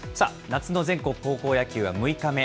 夏の全国高校野球は６日目。